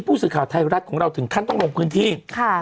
ประธันตร์ไทยรัฐของเราถึงขั้นต้องลงพื้นที่ค่ะ